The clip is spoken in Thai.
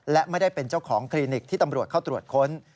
และไม่ได้เป็นเจ้าของคลินิกที่ตำรวจเข้าตรวจค้น